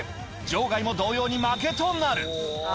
場外も同様に負けとなる。